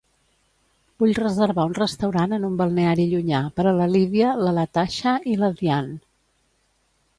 Vull reservar un restaurant en un balneari llunyà per a la Lidia, la Latasha i la Diann.